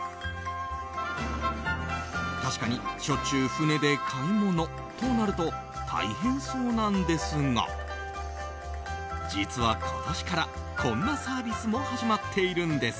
確かに、しょっちゅう船で買い物となると大変そうなんですが実は、今年からこんなサービスも始まっているんです。